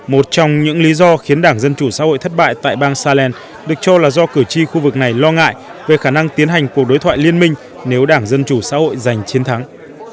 một trong những lý do khiến đảng dân chủ xã hội thất bại tại bang salen được cho là do cử tri khu vực này lo ngại về khả năng tiến hành cuộc đối thoại liên minh nếu đảng dân chủ xã hội giành chiến thắng